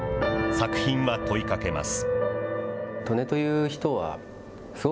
作品は問いかけます。